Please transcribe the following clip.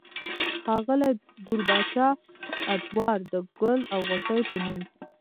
ښاغلي دور بادشاه ادوار د " ګل او غوټۍ" پۀ نوم